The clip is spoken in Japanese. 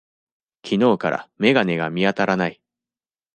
昨日から眼鏡が見当たらない。